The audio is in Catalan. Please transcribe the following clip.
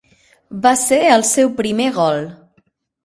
Va ser el seu primer gol.